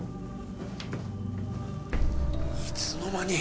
いつの間に！？